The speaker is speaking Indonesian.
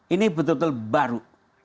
ini betul betul baru